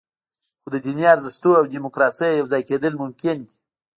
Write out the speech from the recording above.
خو د دیني ارزښتونو او دیموکراسۍ یوځای کېدل ممکن دي.